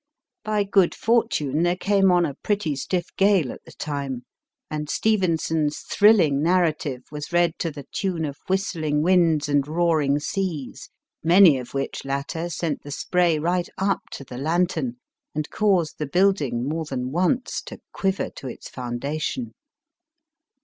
By good fortune there came on a pretty stiff gale at the time, and Stevenson s thrilling narrative was read to the tune of whist ling winds and roaring seas, many of which latter sent the spray right up to the lantern and caused the building, more than once, to quiver to its foundation.